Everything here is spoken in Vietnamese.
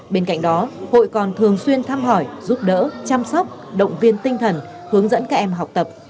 bên cạnh đó hội còn thường xuyên thăm hỏi giúp đỡ chăm sóc động viên tinh thần hướng dẫn các em học tập